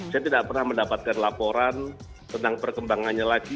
saya tidak pernah mendapatkan laporan tentang perkembangannya lagi